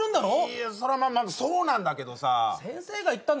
いやそらまあそうなんだけどさ先生が言ったんだよ？